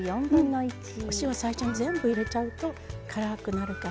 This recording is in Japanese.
お塩最初に全部入れちゃうと辛くなるからね。